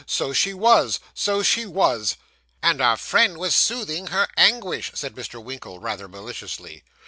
So she was so she was.' 'And our friend was soothing her anguish,' said Mr. Winkle, rather maliciously.